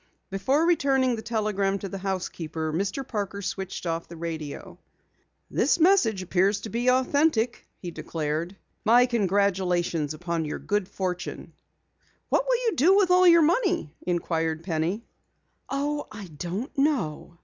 Before returning the telegram to the housekeeper, Mr. Parker switched off the radio. "This message appears to be authentic," he declared. "My congratulations upon your good fortune." "What will you do with all your money?" inquired Penny. "Oh, I don't know."